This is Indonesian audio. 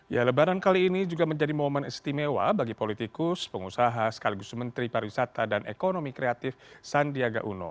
ya lebaran kali ini juga menjadi momen istimewa bagi politikus pengusaha sekaligus menteri pariwisata dan ekonomi kreatif sandiaga uno